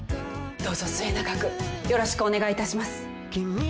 どうぞ末永くよろしくお願いいたします。